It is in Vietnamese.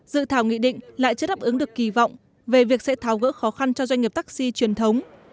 dự thảo nghị định lại chưa đáp ứng được kỳ vọng về việc sẽ tháo gỡ khó khăn cho doanh nghiệp taxi truyền thống